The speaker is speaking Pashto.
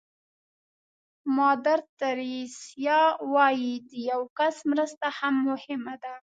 مادر تریسیا وایي د یو کس مرسته هم مهمه ده.